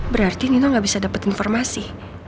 berarti nino gak bisa dapet informasi